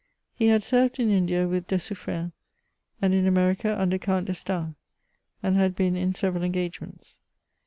He had served in India with De Suffren, and in America under Count D'Estaing. and had been in several engagements.